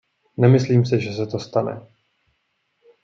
Nemyslím si, že se to stane.